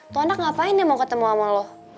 tuh anak ngapain dia mau ketemu sama lo